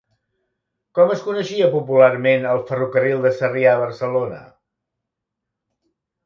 Com es coneixia popularment el "Ferrocarril de Sarrià a Barcelona"?